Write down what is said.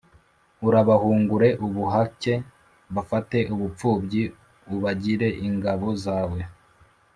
urabahungure ubuhake: bafate bupfubyi ubagire ingabo zawe